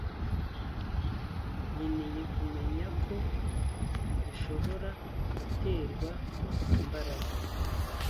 Nkeneye kumenya ko dushobora guterwa na Mbaraga